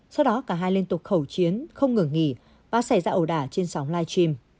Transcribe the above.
sau đó cả hai liên tục khẩu chiến không ngừng nghỉ và xảy ra ẩu đả trên sóng live stream